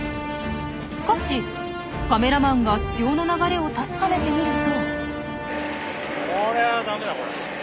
しかしカメラマンが潮の流れを確かめてみると。